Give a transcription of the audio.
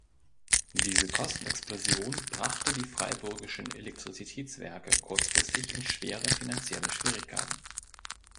Diese Kostenexplosion brachte die Freiburgischen Elektrizitätswerke kurzfristig in schwere finanzielle Schwierigkeiten.